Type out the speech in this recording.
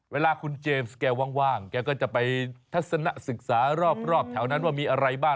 เวลาคุณเจมส์แกว่างแกก็จะไปทัศนะศึกษารอบแถวนั้นว่ามีอะไรบ้าง